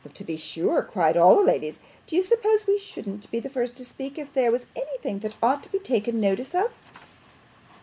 'To be sure,' cried all the ladies. 'Do you suppose WE shouldn't be the first to speak, if there was anything that ought to be taken notice of?